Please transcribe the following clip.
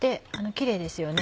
キレイですよね。